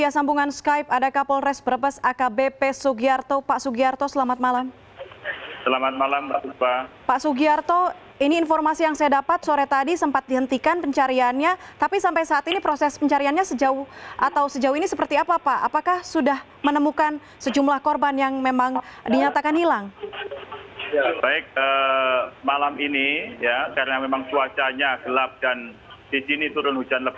selamat malam pak sugiyarto